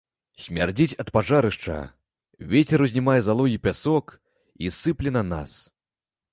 Смярдзіць ад пажарышча, вецер узнімае залу і пясок і сыпле на нас.